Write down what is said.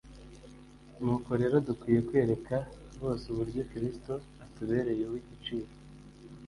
nuko rero dukwiriye kwereka bose uburyo Kristo atubereye uw'igiciro.